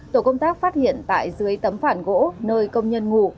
tổ công tác phát hiện tại dưới tấm phản gỗ nơi công nhân ngủ